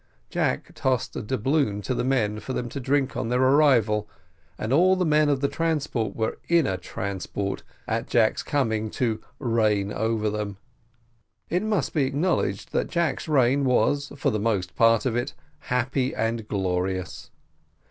Jack also tossed a doubloon to the men for them to drink on their arrival, and all the men of the transport were in a transport, at Jack's coming to "reign over them." It must be acknowledged that Jack's reign was, for the most part of it, "happy and glorious."